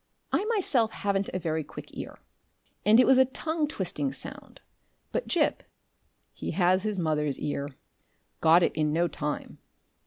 I myself haven't a very quick ear and it was a tongue twisting sound, but Gip he has his mother's ear got it in no time.